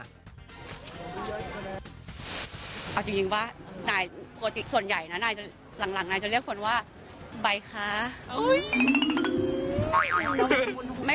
ขา